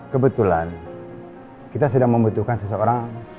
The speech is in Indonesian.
kebetulan kita sedang membutuhkan seseorang